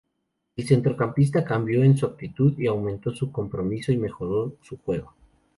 El centrocampista cambió en su actitud y aumentó su compromiso y mejoró su juego.